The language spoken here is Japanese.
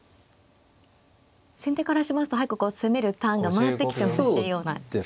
先手からしますと早くこう攻めるターンが回ってきてほしいような局面ですね。